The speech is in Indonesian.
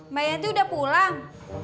mbak yanti udah pulang